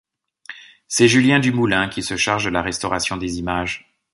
C'est Julien Dumoulin qui se charge de la restauration des images.